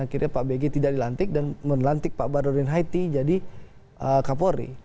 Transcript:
akhirnya pak bg tidak dilantik dan melantik pak barodin haiti jadi kapolri